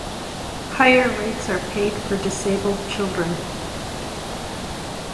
Higher rates are paid for disabled children.